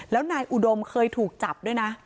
แล้วนายอุดมเคยถูกจับด้วยนะ